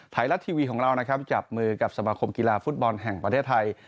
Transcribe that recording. ไทยรัฐทีวีของเรานะครับจับมือกับสมาคมกีฬาฟุตบอลแห่งประเทศไทย